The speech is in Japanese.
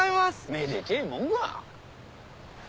めでてえもんが！